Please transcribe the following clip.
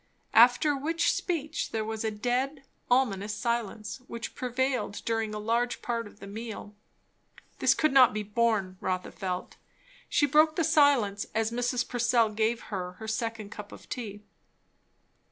After which speech there was a dead, ominous silence, which prevailed during a large part of the meal. This could not be borne, Rotha felt. She broke the silence as Mrs. Purcell gave her her second cup of tea.